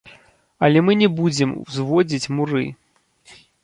Але мы не будзем узводзіць муры.